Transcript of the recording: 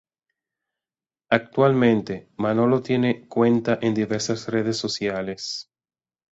Actualmente, Manolo tiene cuenta en diversas redes sociales.